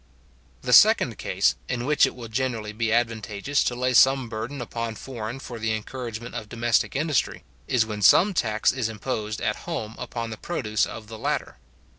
The second case, in which it will generally be advantageous to lay some burden upon foreign for the encouragement of domestic industry, is when some tax is imposed at home upon the produce of the latter.